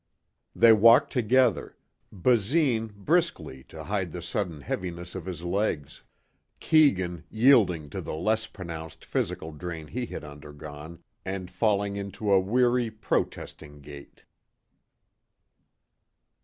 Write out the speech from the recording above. They walked together, Basine briskly to hide the sudden heaviness of his legs; Keegan yielding to the less pronounced physical drain he had undergone and falling into a weary, protesting gait.